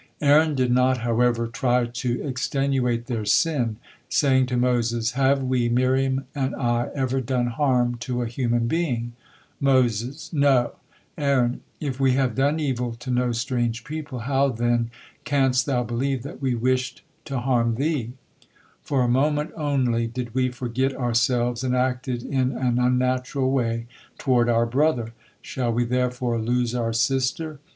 Aaron did not, however, try to extenuate their sin, saying to Moses: "Have we, Miriam and I, ever done harm to a human being?" Moses: "No." Aaron: "If we have done evil to no strange people, how then canst thou believe that we wished to harm thee? For a moment only did we forget ourselves and acted in an unnatural way toward our brother. Shall we therefore lose our sister?